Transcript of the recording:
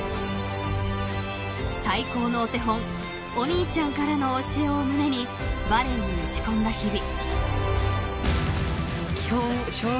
［最高のお手本お兄ちゃんからの教えを胸にバレーに打ち込んだ日々］